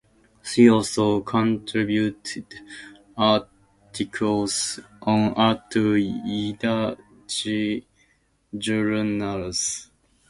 She also contributed articles on art to Yiddish journals.